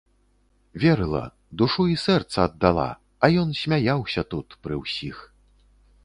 Верыла, душу і сэрца аддала, а ён смяяўся тут, пры ўсіх.